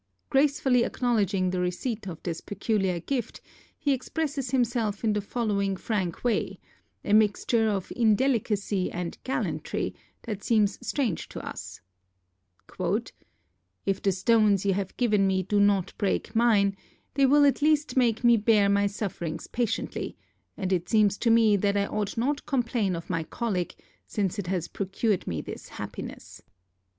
Gratefully acknowledging the receipt of this peculiar gift, he expresses himself in the following frank way, a mixture of indelicacy and gallantry that seems strange to us: "If the stones you have given me do not break mine, they will at least make me bear my sufferings patiently; and it seems to me that I ought not to complain of my colic, since it has procured me this happiness."